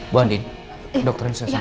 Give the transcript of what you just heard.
bu andin dokterin sudah sampai